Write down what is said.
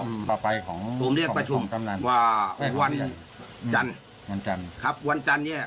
ต่อไปของผมเรียกประชุมกำนันว่าวันจันทร์วันจันทร์ครับวันจันทร์เนี้ย